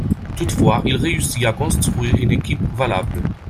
Toutefois, il réussit à construire une équipe valable.